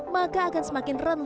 maka akan semakin rata rata berubah